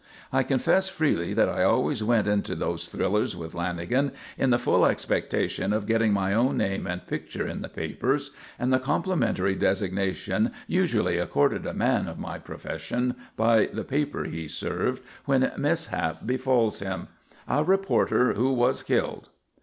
I confess freely that I always went into those thrillers with Lanagan in the full expectation of getting my own name and picture in the papers, and the complimentary designation usually accorded a man of my profession by the paper he serves when mishap befalls him: "A reporter who was killed."